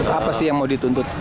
apa sih yang mau dituntut